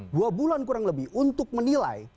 dua bulan kurang lebih untuk menilai